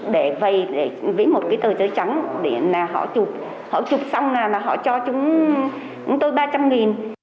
để vầy với một cái tờ chơi trắng để họ chụp họ chụp xong là họ cho chúng tôi ba trăm linh